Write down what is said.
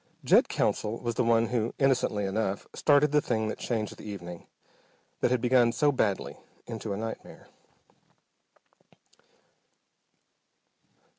Jed Counsell was the one who, innocently enough, started the thing that changed the evening, that had begun so badly, into a nightmare.